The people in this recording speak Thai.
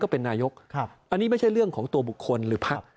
เป็นนายกอันนี้ไม่ใช่เรื่องของตัวบุคคลหรือพัก